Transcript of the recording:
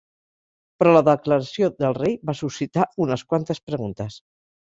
Però la declaració del rei va suscitar unes quantes preguntes.